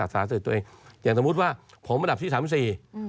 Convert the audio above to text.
อย่างสมมุติว่าผมอันดับที่๓๔